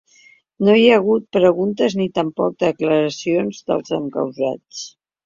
No hi ha hagut preguntes ni tampoc declaracions dels encausats.